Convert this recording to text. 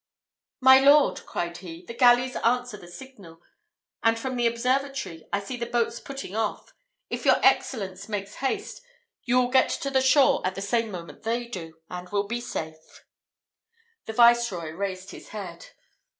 "My lord," cried he, "the galleys answer the signal, and from the observatory I see the boats putting off. If your Excellence makes haste, you will get to the shore at the same moment they do, and will be safe." The viceroy raised his head.